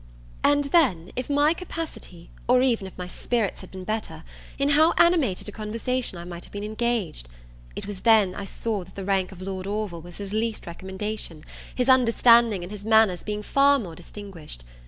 And then, if my capacity, or even, if my spirits had been better, in how animated a conversation I might have been engaged! it was then I saw that the rank of Lord Orville was his least recommendation, his understanding and his manners being far more distinguished.